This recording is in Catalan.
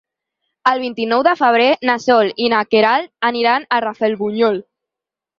El vint-i-nou de febrer na Sol i na Queralt aniran a Rafelbunyol.